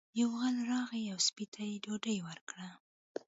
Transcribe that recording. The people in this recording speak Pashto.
یو غل راغی او سپي ته یې ډوډۍ ورکړه.